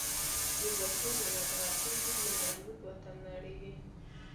یو باتور ملت غر قیږی، یو مضبوط وطن نړیږی